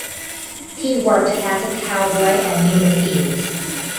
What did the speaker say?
He worked as a cowboy and in the fields.